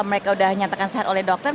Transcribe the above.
mereka sudah nyatakan sehat oleh dokter